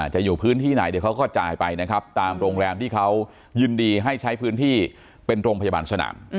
จะอยู่พื้นที่ไหนเดี๋ยวเขาก็จ่ายไปนะครับตามโรงแรมที่เขายินดีให้ใช้พื้นที่เป็นโรงพยาบาลสนาม